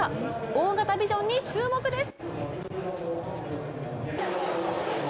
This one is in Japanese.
大型ビジョンに注目です。